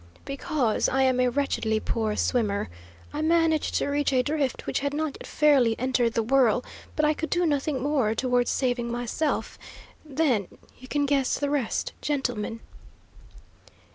"Because I am a wretchedly poor swimmer. I managed to reach a drift which had not yet fairly entered the whirl, but I could do nothing more towards saving myself. Then you can guess the rest, gentlemen."